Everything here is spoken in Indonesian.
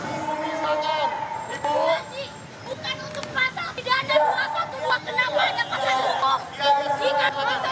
bukan untuk pasang pidana